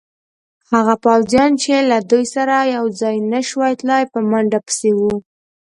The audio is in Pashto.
هغه پوځیان چې له دوی سره یوځای نه شوای تلای، په منډه پسې وو.